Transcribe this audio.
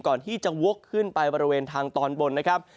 ก่อนที่จะวกขึ้นไปบริเวณทางตอนบนนะครับ